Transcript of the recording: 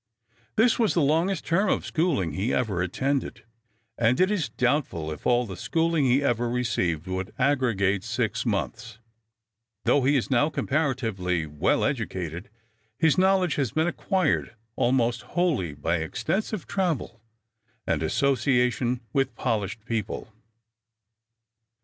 This was the longest term of schooling he ever attended, and it is doubtful if all the schooling he ever received would aggregate six months; though he is now comparatively well educated, his knowledge has been acquired almost wholly by extensive travel and association with polished people.